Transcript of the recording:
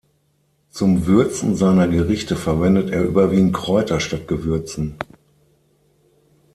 Zum Würzen seiner Gerichte verwendet er überwiegend Kräuter statt Gewürzen.